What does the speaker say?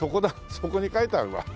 そこに書いてあるわ。